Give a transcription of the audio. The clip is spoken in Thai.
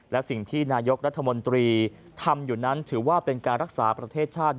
และสิ่งที่นายกรัฐมนตรีทำอยู่นั้นถือว่าเป็นการรักษาประเทศชาติ